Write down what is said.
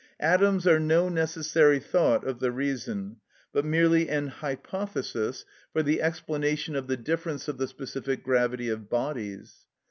Atoms are no necessary thought of the reason, but merely an hypothesis for the explanation of the difference of the specific gravity of bodies.